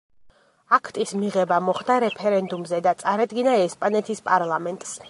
აქტის მიღება მოხდა რეფერენდუმზე და წარედგინა ესპანეთის პარლამენტს.